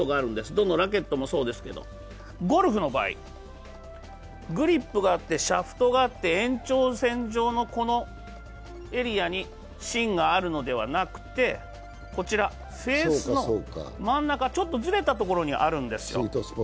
どのラケットもそうですけど、ゴルフの場合、グリップがあってシャフトがあって延長線上のこのエリアに芯があるのではなくて、フェースの真ん中、ちょっとずれたところにあるんですよ。